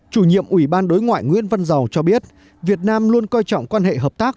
chủ nhiệm ủy ban đối ngoại nguyễn văn giàu cho biết việt nam luôn coi trọng quan hệ hợp tác